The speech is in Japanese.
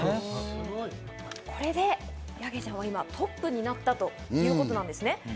これでヤケイちゃんは今、トップになったということなんですね。